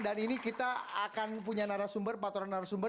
dan ini kita akan punya narasumber